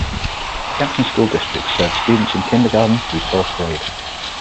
The Jackson School District serves students in kindergarten through twelfth grade.